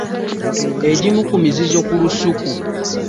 Egimu ku mizizo ku lusuku.